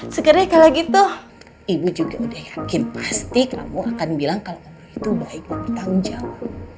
sekarang kalau gitu ibu juga udah yakin pasti kamu akan bilang kalau om roy itu baik bertanggung jawab